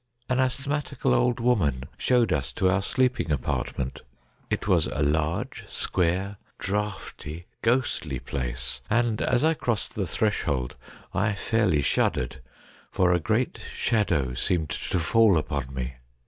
An asthmatical old woman showed us to our sleeping apartment. It was a large, square, draughty, ghostly place, and, as I crossed the threshold, I fairly shuddered, for a great shadow seemed to fall upon me.